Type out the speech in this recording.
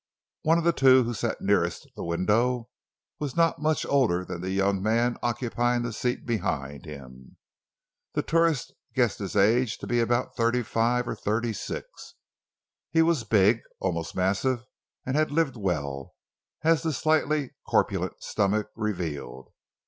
One of the two, who sat nearest the window, was not much older than the young man occupying the seat behind him. The tourist guessed his age to be around thirty five or thirty six. He was big, almost massive, and had lived well—as the slightly corpulent stomach revealed.